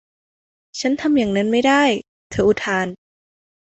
ฉันทำอย่างนั้นไม่ได้เธออุทาน